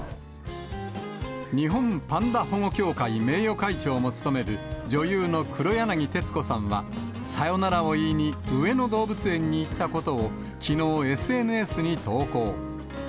日本パンダ保護協会名誉会長も務める女優の黒柳徹子さんは、さよならを言いに上野動物園に行ったことを、きのう、ＳＮＳに投稿。